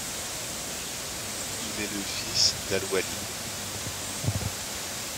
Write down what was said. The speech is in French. Il est le fils d'Al-Walīd.